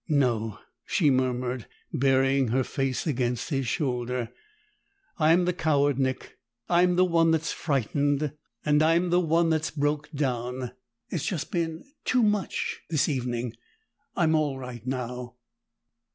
"No," she murmured, burying her face against his shoulder. "I'm the coward, Nick. I'm the one that's frightened, and I'm the one that broke down! It's just been too much, this evening; I'm all right now."